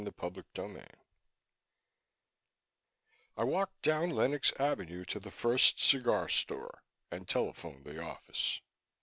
CHAPTER 32 I walked down Lenox Avenue to the first cigar store and telephoned the office.